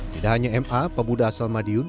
tidak hanya ma pemuda asal madiun